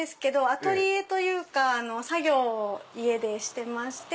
アトリエというか作業を家でしてまして。